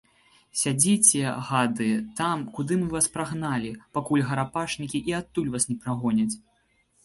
Сядзіце, гады, там, куды мы вас прагналі, пакуль гарапашнікі і адтуль вас не прагоняць.